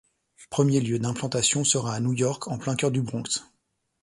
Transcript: Premier lieu d’implantation sera à New York, en plein cœur du Bronx.